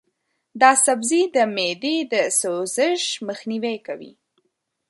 دا سبزی د معدې د سوزش مخنیوی کوي.